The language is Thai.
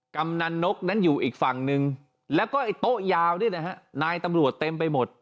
กำนันนกนั้นอยู่อีกฝั่งนึงแล้วก็ไอ้โต๊ะยาวนี่นะฮะนายตำรวจเต็มไปหมด